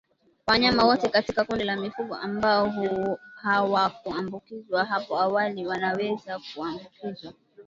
Wanyama wote katika kundi la mifugo ambao hawakuambukizwa hapo awali wanaweza kuambukizwa